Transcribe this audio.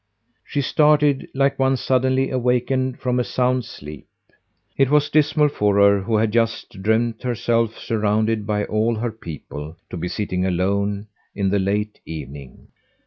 She started like one suddenly awakened from a sound sleep. It was dismal for her who had just dreamed herself surrounded by all her people to be sitting alone in the late evening.